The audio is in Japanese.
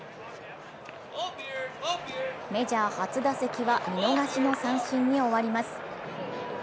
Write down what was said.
メジャー初打席は見逃しの三振に終わります。